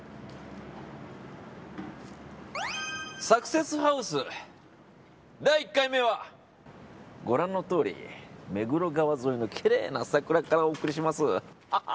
サクセスハウス第１回目はご覧のとおり、目黒川沿いのきれいな桜からお送りします。